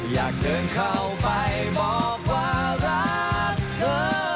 อยากเดินเข้าไปบอกว่ารักเธอ